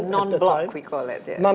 di dunia yang tidak berkelompok